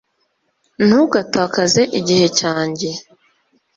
ntugatakaze igihe cyanjye